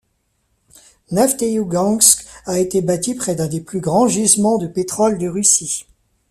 Nefteïougansk a été bâtie près d'un des plus grands gisements de pétrole de Russie.